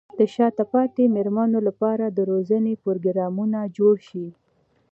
د شاته پاتې مېرمنو لپاره د روزنې پروګرامونه جوړ شي.